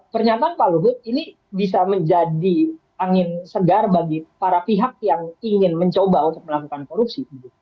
pernyataan pak luhut ini bisa menjadi angin segar bagi para pihak yang ingin mencoba untuk melakukan korupsi